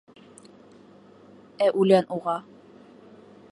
Ә үлән уға: